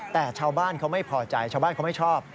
แต่ชาวบ้านเขาไม่พอใจชาวบ้านเขาไม่ชอบ